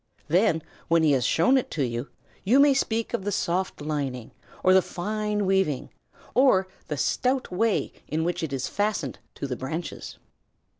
Then, when he has shown it to you, you may speak of the soft lining, or the fine weaving, or the stout way in which it is fastened to the branches.